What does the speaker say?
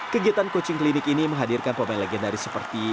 kegiatan coaching klinik ini menghadirkan pemain legendaris seperti